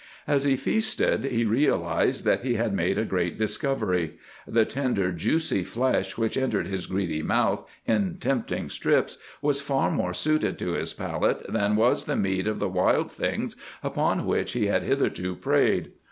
As he feasted, he realized that he had made a great discovery. The tender, juicy flesh which entered his greedy mouth in tempting strips was far more suited to his palate than was the meat of the wild things upon which he had hitherto preyed.